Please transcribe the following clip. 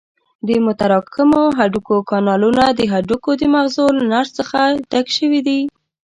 د متراکمو هډوکو کانالونه د هډوکو د مغزو له نسج څخه ډک شوي دي.